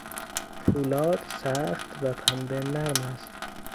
پولاد سخت و پنبه نرم است.